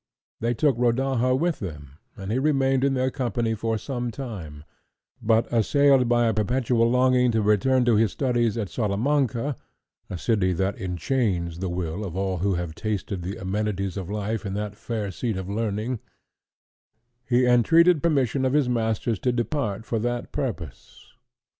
They took Rodaja with them, and he remained in their company for some time; but, assailed by a perpetual longing to return to his studies at Salamanca,—a city that enchains the will of all who have tasted the amenities of life in that fair seat of learning—he entreated permission of his masters to depart for that purpose.